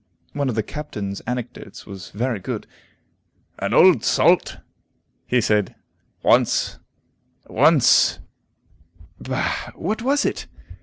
One of the Captain's anecdotes was very good. "An old salt," he said, "once once " Bah, what was it?